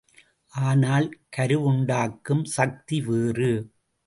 ஆனால் கருவுண்டாக்கும் சக்தி வேறு.